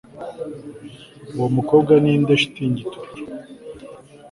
Uwo mukobwa ninde shitingi itukura